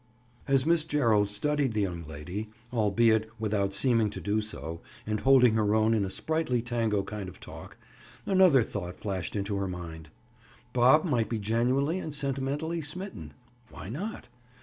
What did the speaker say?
As Miss Gerald studied the young lady, albeit without seeming to do so and holding her own in a sprightly tango kind of talk, another thought flashed into her mind. Bob might be genuinely and sentimentally smitten. Why not?